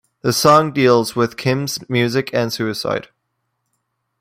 The song deals with Kim's music and suicide.